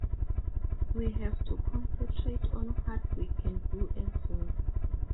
We have to concentrate on what we can do as well.